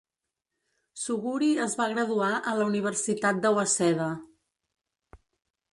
Suguri es va graduar a la Universitat de Waseda.